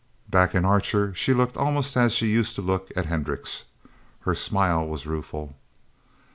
Back in Archer, she looked almost as she used to look at Hendricks'. Her smile was rueful.